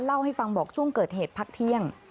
เล่าให้ฟังบอกช่วงเกิดเหตุพักเที่ยง